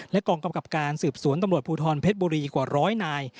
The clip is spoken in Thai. กองกำกับการสืบสวนตำรวจภูทรเพชรบุรีกว่าร้อยนาย